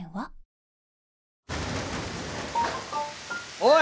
おい！